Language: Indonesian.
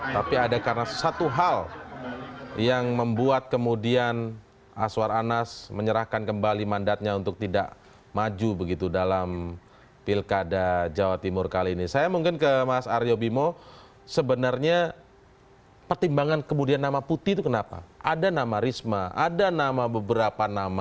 tapi ada karena satu hal yang membuat kemudian aswar anas menyerahkan kembali mandatnya untuk tidak maju begitu dalam pilkada jawa timur kali ini saya mungkin ke mas aryo bimo sebenarnya pertimbangan kemudian nama putih itu kenapa ada nama risma ada nama beberapa nama